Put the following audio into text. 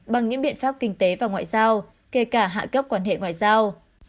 bằng những biện pháp kinh tế và ngoại giao kể cả hạ cấp quan hệ ngoại giao